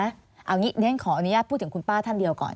เอาอย่างนี้ขออนุญาตพูดถึงคุณป้าท่านเดียวก่อน